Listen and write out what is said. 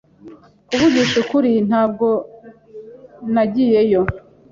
Kuvugisha ukuri, ntabwo nagiyeyo.